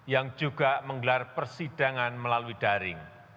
yang juga menggelar persidangan melalui daring